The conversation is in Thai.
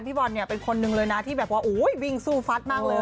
บอลเนี่ยเป็นคนหนึ่งเลยนะที่แบบว่าวิ่งสู้ฟัดมากเลย